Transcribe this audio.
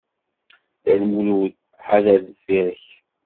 Dda Lmulud, ḥader deffir-k!